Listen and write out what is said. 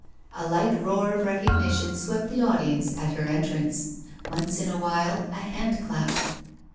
A light roar of recognition swept the audience at her en trance. Once in a while, a handclap.